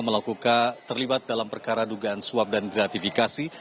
melakukan terlibat dalam perkara dugaan suap dan gratifikasi